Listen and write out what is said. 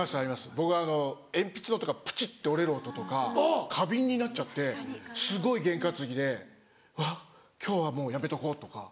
僕鉛筆の音がプチって折れる音とか過敏になっちゃってすごい験担ぎでうわ今日はもうやめとこうとか。